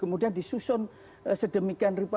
kemudian disusun sedemikian rupa